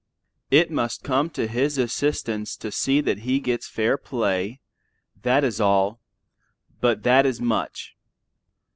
It must come to his assistance to see that he gets fair play; that is all, but that is much.